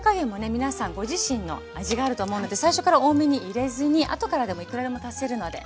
皆さんご自身の味があると思うので最初から多めに入れずにあとからでもいくらでも足せるので。